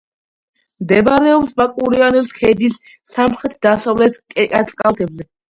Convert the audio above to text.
მდებარეობს ბაკურიანის ქედის სამხრეთ-დასავლეთ კალთებზე.